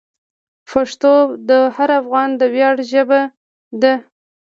پښتو د هر افغان د ویاړ ژبه ده.